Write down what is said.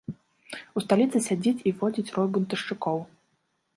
У сталіцы сядзіць і водзіць рой бунтаўшчыкоў.